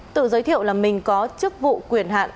tự giới thiệu là mình có chức vụ quyền hạn